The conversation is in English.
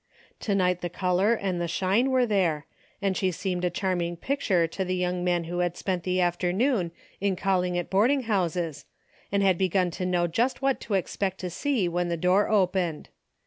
To night the color and the shine were there, and she seemed a charming picture to the young man who had spent the afternoon in calling at boarding houses, and had begun to know just what to expect to see when the door opened.